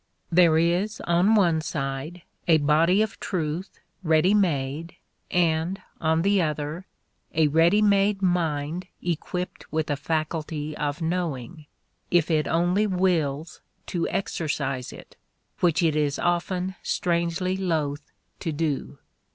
There is, on one side, a body of truth, ready made, and, on the other, a ready made mind equipped with a faculty of knowing if it only wills to exercise it, which it is often strangely loath to do.